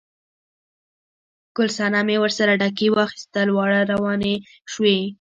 ګل صنمې ورسره ډکي واخیستل، دواړه روانې شوې.